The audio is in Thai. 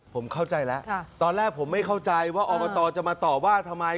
ผมเข้าใจแล้วตอนแรกผมไม่เข้าใจว่าอบตจะมาต่อว่าทำไม